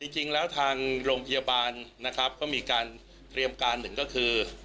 จริงแล้วทางโรงพยาบาลนะครับก็มีการเตรียมการหนึ่งก็คือ